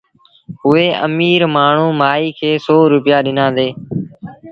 اُئي اميٚر مآڻهوٚٚݩ مآئيٚ کي سو روپيآ ڏنآݩدي